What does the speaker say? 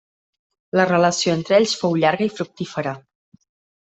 La relació entre ells fou llarga i fructífera.